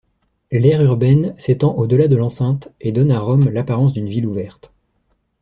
L'aire urbaine s'étend au-delà de l'enceinte et donne à Rome l'apparence d'une ville ouverte.